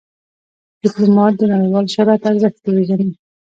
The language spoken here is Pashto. ډيپلومات د نړیوال شهرت ارزښت پېژني.